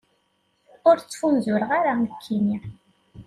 Ur ttfunzureɣ ara, nekkini.